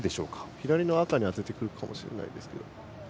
左の赤に当ててくるかもしれないですが。